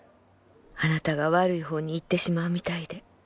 あなたが悪い方に行ってしまうみたいで」。